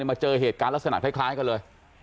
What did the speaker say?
มาเจอเหตุการณ์ลักษณะคล้ายกันเลย